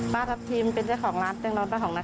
ป้าทัพทีมเป็นแชร์ของร้านแจงรอนป้าของนะคะ